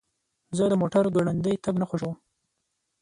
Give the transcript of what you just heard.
زه د موټر ګړندی تګ نه خوښوم.